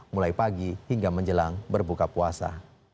mulai pagi hingga menjelang berbuka puasa